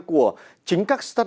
của chính các start up